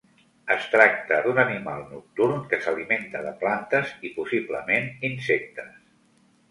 Es tracta d'un animal nocturn que s'alimenta de plantes i, possiblement, insectes.